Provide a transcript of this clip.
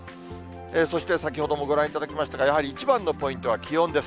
そして先ほどもご覧いただきましたが、やはり一番のポイントは気温です。